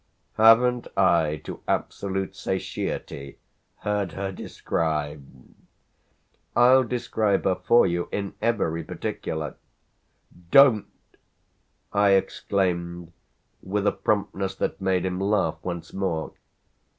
"Haven't I to absolute satiety heard her described? I'll describe her for you in every particular." "Don't!" I exclaimed with a promptness that made him laugh once more.